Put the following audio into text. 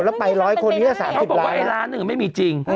แล้วไปสามสิบหลายคนนี้ล้านหนึ่งไม่มีจริง